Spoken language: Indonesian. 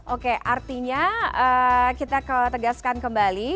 oke artinya kita tegaskan kembali